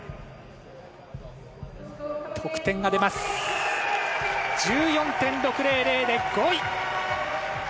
得点が出ます。１４．６００で５位。